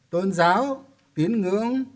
tôn giáo tiến ngưỡng